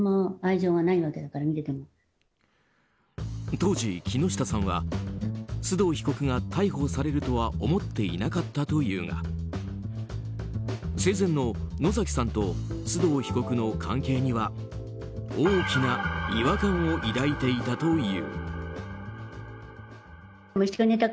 当時、木下さんは須藤被告が逮捕されるとは思っていなかったというが生前の野崎さんと須藤被告の関係には大きな違和感を抱いていたという。